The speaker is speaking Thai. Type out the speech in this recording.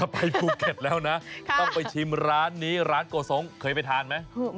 ไปภูเก็ตแล้วนะต้องไปชิมร้านนี้ร้านโกสงเคยไปทานไหม